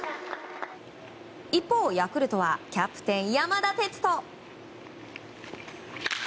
一方、ヤクルトはキャプテン山田哲人。